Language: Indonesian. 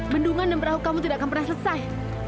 bendungan dan perahu kamu tidak akan pernah selesai